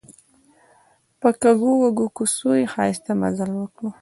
په کږو وږو کوڅو یې ښایسته مزل وکړ.